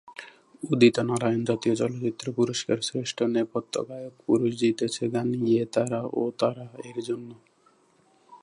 উদিত নারায়ন জাতীয় চলচ্চিত্র পুরস্কার শ্রেষ্ঠ নেপথ্য গায়ক পুরুষ জিতেছে, গান "ইয়ে তারা ও তারা"এর জন্য।